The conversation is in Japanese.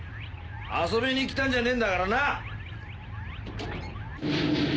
遊びに来たんじゃねえんだからな。